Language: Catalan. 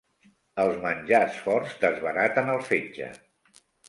Els menjars forts desbaraten el fetge.